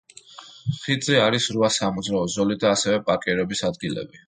ხიდზე არის რვა სამოძრაო ზოლი და ასევე პარკირების ადგილები.